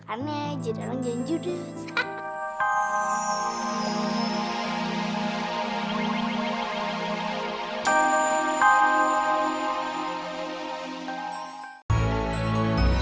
aneh sudah langsung judul